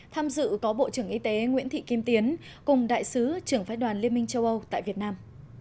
tham dự có bộ trưởng y tế nguyễn thị kim tiến cùng đại sứ trưởng phái đoàn liên minh châu âu tại việt nam